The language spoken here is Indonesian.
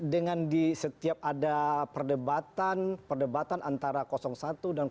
dengan di setiap ada perdebatan perdebatan antara satu dan dua